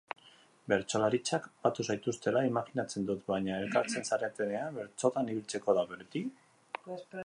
Bertsolaritzak batu zaituztela imajinatzen dut, baina elkartzen zaretenean bertsotan ibiltzeko da beti?